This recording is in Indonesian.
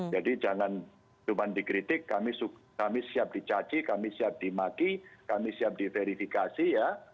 jadi jangan cuma dikritik kami siap dicaci kami siap dimaki kami siap diverifikasi ya